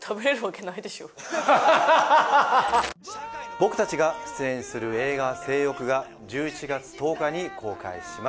僕たちが出演する映画『正欲』が１１月１０日に公開します。